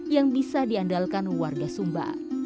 yang bisa diandalkan warga sumba